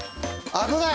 危ない！